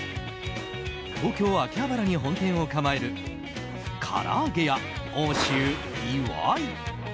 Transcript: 東京・秋葉原に本店を構えるからあげ家奥州いわい。